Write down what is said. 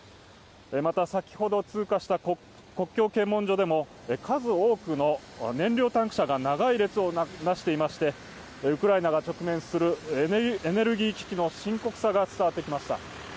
また先ほど通過した国境検問所でも、数多くの燃料タンク車が長い列をなしていまして、ウクライナが直面するエネルギー危機の深刻さが伝わってきました。